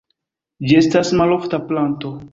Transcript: Ĝi estas malofta planto.